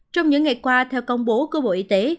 trong những ngày qua theo công bố của bộ y tế